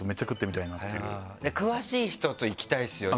詳しい人と行きたいですよね。